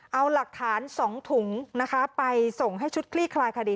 เอาหลักฐาน๒ถุงนะคะไปส่งให้ชุดคลี่คลายคดี